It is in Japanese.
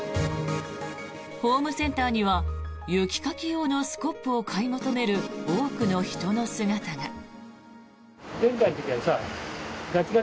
ホームセンターには雪かき用のスコップを買い求める多くの人の姿が。